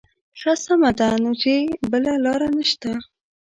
ښه سمه ده نو چې بله لاره نه شته.